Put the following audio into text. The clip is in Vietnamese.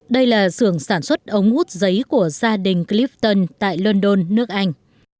đây là sưởng sản xuất ống hút giấy của gia đình clifton tại london nước anh